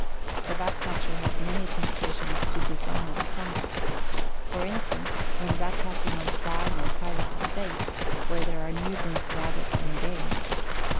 The Rat catcher has many temptations to dishonest conducts, for instance, when Rat catching on a farm or private estate where there are numerous rabbits and game.